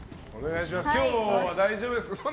今日は大丈夫ですか？